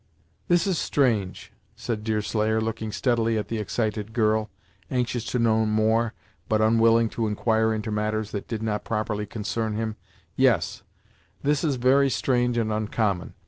"This is strange!" said Deerslayer, looking steadily at the excited girl, anxious to know more, but unwilling to inquire into matters that did not properly concern him; "yes, this is very strange and oncommon!